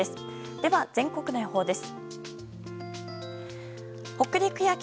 では、全国の予報です。